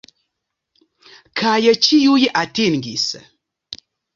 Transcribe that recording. Kaj ĉiuj atingis!